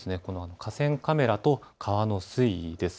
河川カメラと川の水位です。